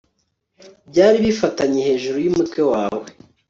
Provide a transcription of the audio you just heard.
byari bifatanye hejuru yumutwe wawe